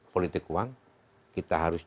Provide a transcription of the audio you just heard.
politik uang kita harus